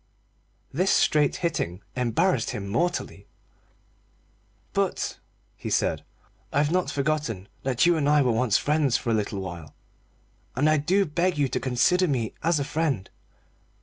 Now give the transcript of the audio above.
This straight hitting embarrassed him mortally. "But," he said, "I've not forgotten that you and I were once friends for a little while, and I do beg you to consider me as a friend.